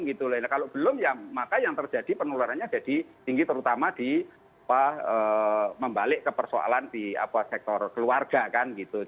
kalau belum ya maka yang terjadi penularannya jadi tinggi terutama di membalik ke persoalan di sektor keluarga kan gitu